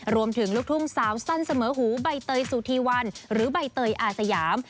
ลูกทุ่งสาวสั้นเสมอหูใบเตยสุธีวันหรือใบเตยอาสยาม